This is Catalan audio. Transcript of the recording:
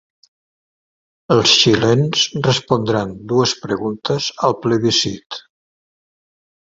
Els xilens respondran dues preguntes al plebiscit